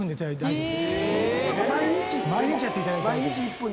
毎日やっていただいて大丈夫。